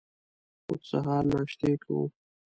موږ سهار ناشتې کوو.